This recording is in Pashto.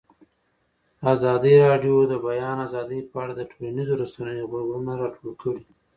ازادي راډیو د د بیان آزادي په اړه د ټولنیزو رسنیو غبرګونونه راټول کړي.